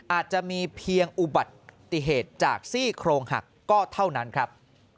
อาจจะมีเพียงอุบัติเหตุจากซี่โครงหักก็เท่านั้นครับ